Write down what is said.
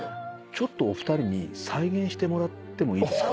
ちょっとお二人に再現してもらってもいいですか？